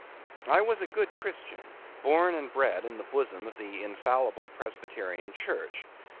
I was a good Christian; born and bred in the bosom of the infallible Presbyterian Church.